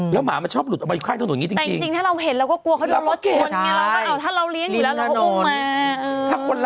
แล้วมันออกมาจากไหนมันมาอยู่ข้างถนน